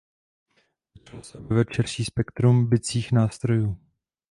Začalo se objevovat širší spektrum bicích nástrojů.